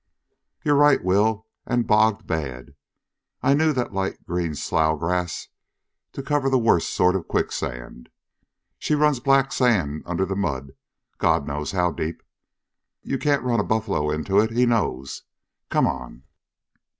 "You're right, Will, an' bogged bad! I've knew that light green slough grass to cover the wurst sort o' quicksand. She runs black sand under the mud, God knows how deep. Ye kain't run a buffler inter hit he knows. Come on!"